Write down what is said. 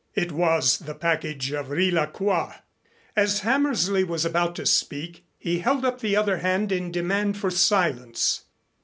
It was the package of Riz la Croix. As Hammersley was about to speak, he held up the other hand in demand for silence.